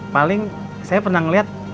paling saya pernah ngeliat